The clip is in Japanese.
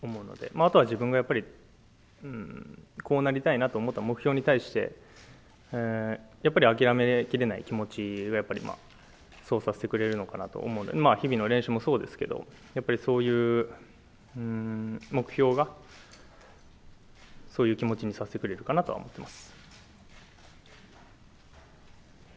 あとは自分がやっぱり、こうなりたいなと思った目標に対して、やっぱり諦め切れない気持ちがやっぱりそうさせてくれるのかなと思うので、日々の練習もそうですけど、やっぱりそういう目標がそういう気持ちにさせてくれるかなとは思っています。